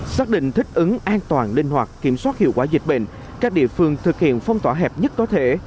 xác định thích ứng an toàn linh hoạt kiểm soát hiệu quả dịch bệnh các địa phương thực hiện phong tỏa hẹp nhất có thể